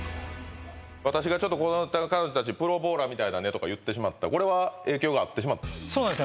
私がちょっとこの彼女たちプロボウラーみたいだねとか言ってしまったこれは影響があってそうなんです